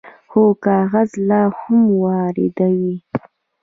خو کاغذ لا هم واردوي.